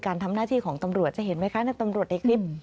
การทำหน้าที่ของตำรวจจะเห็นไหมคะตำรวจในคลิป